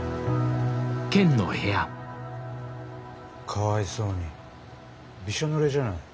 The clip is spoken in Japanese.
かわいそうにびしょぬれじゃない。